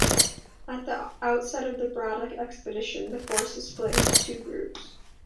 At the outset of the Braddock Expedition, the force was split into two groups.